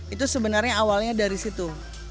itu sebenarnya awalnya dari situ